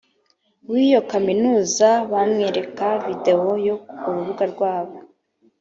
w iyo kaminuza bamwereka videwo yo ku rubuga rwabo